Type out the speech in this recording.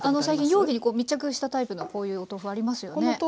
最近容器に密着したタイプのこういうお豆腐ありますよね？